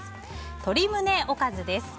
鶏胸おかずです。